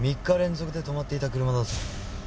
３日連続で止まっていた車だぞ。